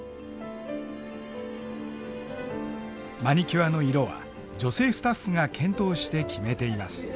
マニキュアの色は女性スタッフが検討して決めています。